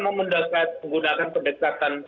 mau menggunakan pendekatan